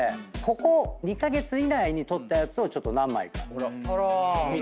ここ２カ月以内に撮ったやつをちょっと何枚か。